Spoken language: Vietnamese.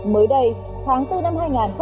mới đây tháng bốn năm hai nghìn hai mươi